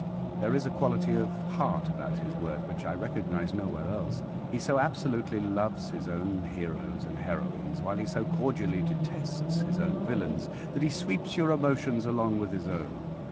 There is a quality of heart about his work which I recognize nowhere else. He so absolutely loves his own heroes and heroines, while he so cordially detests his own villains, that he sweeps your emotions along with his own.